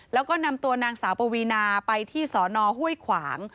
แล้วก็นำตัวนางสาวปวีนาไปที่สอนอห้วยขวาง